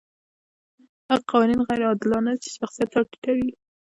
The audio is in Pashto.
هغه قوانین غیر عادلانه دي چې شخصیت راټیټوي.